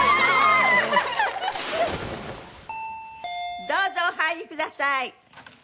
どうぞお入りください。